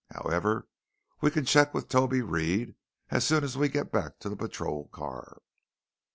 However, we can check with Toby Reed as soon as we get back to the patrol car."